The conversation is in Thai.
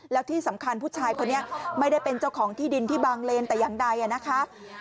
แล้วที่สำคัญผู้ชายคนนี้ไม่ได้เป็นเจ้าของที่ดินที่บางเลนแต่อย่างใดนะคะ